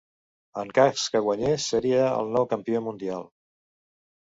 En cas que guanyés, seria el nou campió mundial.